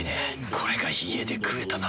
これが家で食えたなら。